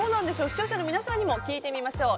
視聴者の皆さんにも聞いてみましょう。